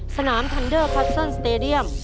สนามทันเดอร์คัสเซิลสเตดียม